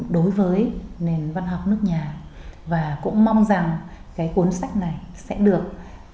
đối với nền văn học nước nhà và cũng mong rằng cái cuốn sách này sẽ được